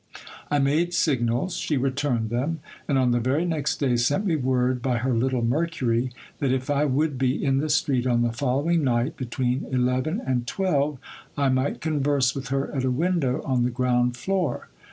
I made signals. She returned them ; and on the very next day sent me word by her little Mercury, that if I would be in the street on the following night between eleven and twelve, I might converse with her at a window on the ground floor.